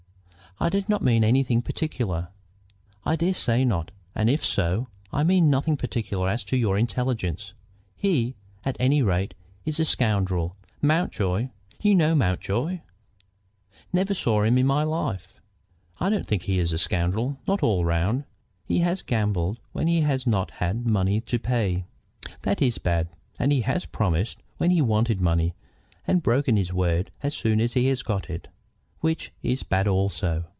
"I did not mean anything particular." "I dare say not, and if so, I mean nothing particular as to your intelligence. He, at any rate, is a scoundrel. Mountjoy you know Mountjoy?" "Never saw him in my life." "I don't think he is a scoundrel, not all round. He has gambled when he has not had money to pay. That is bad. And he has promised when he wanted money, and broken his word as soon as he had got it, which is bad also.